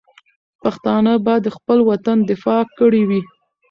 پښتانه به د خپل وطن دفاع کړې وي.